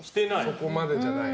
そこまでじゃない。